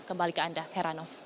kembali ke anda heranov